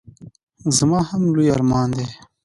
زما هم لوی ارمان دی.